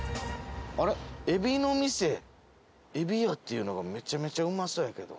あれエビノミセＥＢＩＹＡっていうのがめちゃめちゃうまそうやけど。